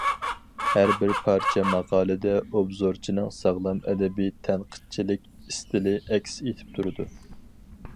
ھەر بىر پارچە ماقالىدە ئوبزورچىنىڭ ساغلام ئەدەبىي تەنقىدچىلىك ئىستىلى ئەكس ئېتىپ تۇرىدۇ.